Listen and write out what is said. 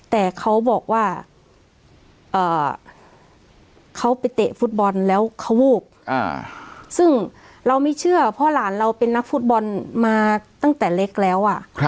แต่เขาบอกว่าเขาไปเตะฟุตบอลแล้วเขาวูบซึ่งเราไม่เชื่อเพราะหลานเราเป็นนักฟุตบอลมาตั้งแต่เล็กแล้ว